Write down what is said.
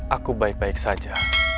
aku baik baik saja